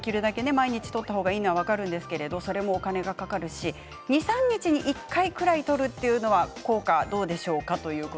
毎日とったほうがいいのは分かりますがそれもお金がかかるし２、３日に１回くらいとるというのは効果はどうでしょうか。